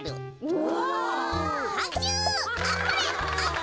お。